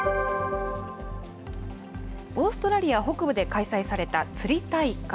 オーストラリア北部で開催された釣り大会。